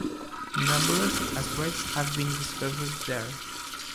Numerous asteroids have been discovered there.